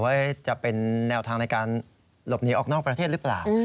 ว่าจะเป็นแนวทางในการหลบหนีออกนอกประเทศหรือเปล่า